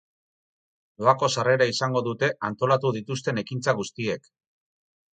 Doako sarrera izango dute antolatu dituzten ekintza guztiek.